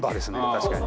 確かに。